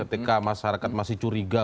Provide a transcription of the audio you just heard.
ketika masyarakat masih curiga